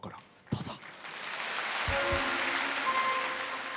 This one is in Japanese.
どうぞ。